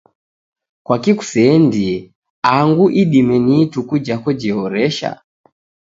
Kwakii kuseendie angu idime ni ituku jako jehoresha